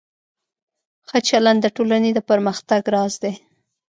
ښه چلند د ټولنې د پرمختګ راز دی.